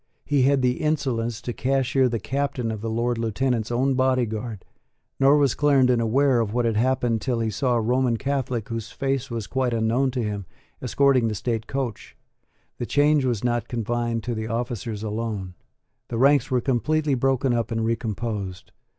He had the insolence to cashier the Captain of the Lord Lieutenant's own Body Guard: nor was Clarendon aware of what had happened till he saw a Roman Catholic, whose face was quite unknown to him, escorting the state coach. The change was not confined to the officers alone. The ranks were completely broken up and recomposed.